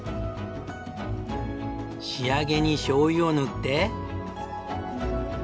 仕上げにしょうゆを塗って。